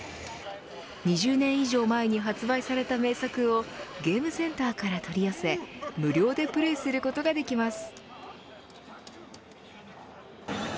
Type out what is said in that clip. ２０年以上前に発売された名作をゲームセンターから取り寄せ無料でプレーすることができます。